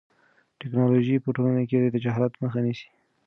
ټیکنالوژي په ټولنه کې د جهالت مخه نیسي.